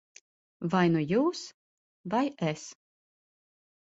Vai nu jūs, vai es.